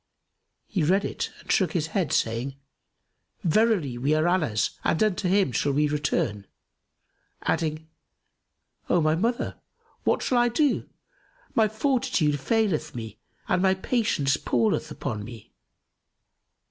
He read it and shook his head, saying, "Verily, we are Allah's and unto him shall we return!" adding, "O my mother, what shall I do? My fortitude faileth me and my patience palleth upon me!"